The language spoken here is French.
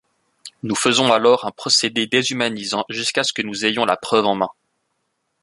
Nous faisons alors un procédé déshumanisant jusqu'à ce nous ayons la preuve en main.